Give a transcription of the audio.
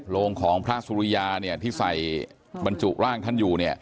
โรงของพระสุริยาที่ใส่บรรจุร่างท่านอยู่